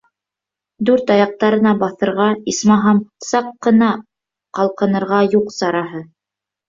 Дүрт аяҡтарына баҫырға, исмаһам, саҡ ҡына ҡалҡынырға юҡ сараһы.